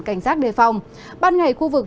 cảnh giác đề phòng ban ngày khu vực